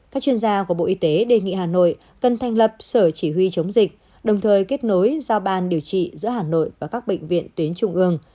các chuyên gia của bộ y tế đề nghị hà nội cần thành lập sở chỉ huy chống dịch đồng thời kết nối giao ban điều trị giữa hà nội và các bệnh viện tuyến trung ương